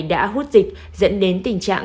đã hút dịch dẫn đến tình trạng